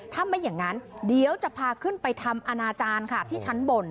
ถ้าไม่อย่างนั้นเดี๋ยวจะพาขึ้นไปทำอนาจารย์ค่ะที่ชั้นบน